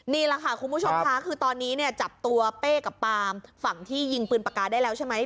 นี่แหละค่ะคุณผู้ชมค่ะคือตอนนี้เนี่ยจับตัวเป้กับปามฝั่งที่ยิงปืนปากกาได้แล้วใช่ไหม